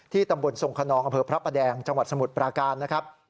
ตำบลทรงคนนองอำเภอพระประแดงจังหวัดสมุทรปราการนะครับ